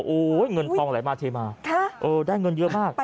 โอ๊ยเงินทองอะไรมาเทมาะโอ้ยได้เงินเยอะมาก